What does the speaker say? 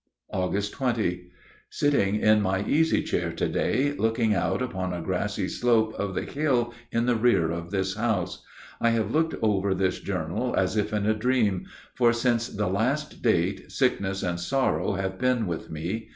Aug. 20. Sitting in my easy chair to day, looking out upon a grassy slope of the hill in the rear of this house, I have looked over this journal as if in a dream; for since the last date sickness and sorrow have been with me.